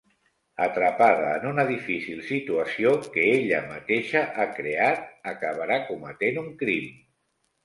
Atrapada en una difícil situació que ella mateixa ha creat, acabarà cometent un crim.